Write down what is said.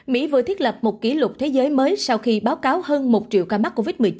mỹ vừa thiết lập một kỷ lục thế giới mới sau khi báo cáo hơn một triệu ca mắc covid một mươi chín